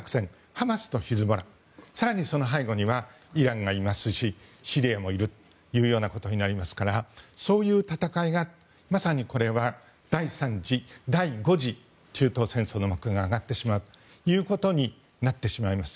ハマスとヒズボラ更にその背後にはイランがいますしシリアもいるということになりますからそういう戦いが、まさにこれは第５次中東戦争の幕が上がってしまうということになってしまいます。